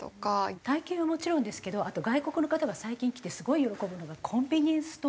体験はもちろんですけどあと外国の方が最近来てすごい喜ぶのがコンビニエンスストア。